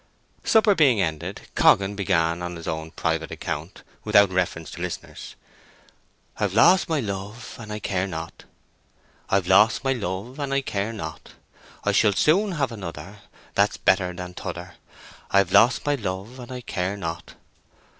Supper being ended, Coggan began on his own private account, without reference to listeners:— I've lost my love, and I care not, I've lost my love, and I care not; I shall soon have another That's better than t'other; I've lost my love, and I care not.